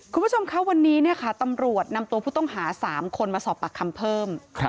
คุณผู้ชมคะวันนี้ตำรวจนำตัวผู้ต้องหา๓คนมาสอบปากคำเพิ่ม